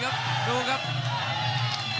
คมทุกลูกจริงครับโอ้โห